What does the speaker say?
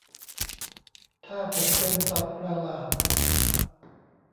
ถ้าผมเป็นสัตว์ประหลาด